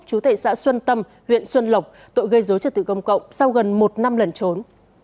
chú tệ xã xuân tâm huyện xuân lộc tội gây dối trật tự công cộng sau gần một năm lần trốn